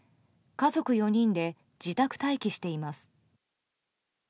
家族４人で自宅待機しています。